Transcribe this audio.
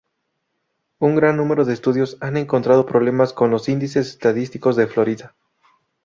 Un gran número de estudios han encontrado problemas con los índices estadísticos de Florida.